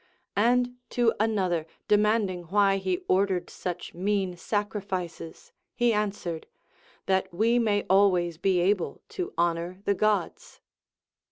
And to another demanding why he ordered sucli mean sacrifices he answered, That Λνο may always be able to honor the Gods.